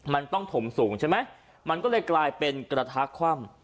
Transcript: มันต้องถมสูงใช่ไหมมันก็เลยกลายเป็นกระทะคว่ำ